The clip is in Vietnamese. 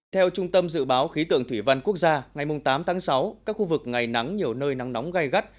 theo trung tâm dự báo khí tượng thủy văn quốc gia ngày tám tháng sáu các khu vực ngày nắng nhiều nơi nắng nóng gai gắt